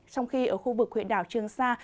trong khi ở khu vực huyện đảo trường sa